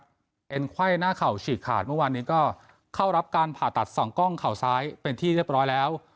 เอ็นไข้หน้าเข่าฉีกขาดเมื่อวานนี้ก็เข้ารับการผ่าตัดสองกล้องเข่าซ้ายเป็นที่เรียบร้อยแล้ว